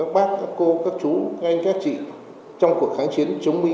các bác các cô các chú các anh các chị trong cuộc kháng chiến chống mỹ